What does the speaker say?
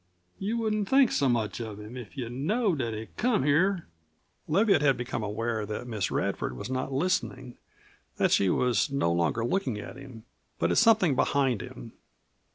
You wouldn't think so much of him if you knowed that he come here " Leviatt had become aware that Miss Radford was not listening; that she was no longer looking at him, but at something behind him.